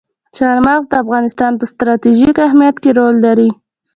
چار مغز د افغانستان په ستراتیژیک اهمیت کې رول لري.